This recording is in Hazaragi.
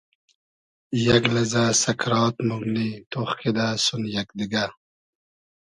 یئگ لئزۂ سئکرات مومنی تۉخ کیدۂ سون یئگ دیگۂ